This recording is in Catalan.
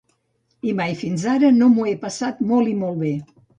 I mai fins ara no m'ho he passat molt molt bé.